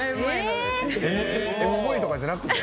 ＭＶとかじゃなくって？